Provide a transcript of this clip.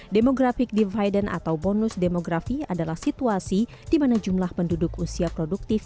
demographic dividend atau bonus demografi adalah situasi di mana jumlah penduduk usia produktif